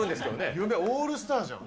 夢、オールスターじゃん。